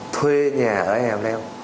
thuê nhà ở e leo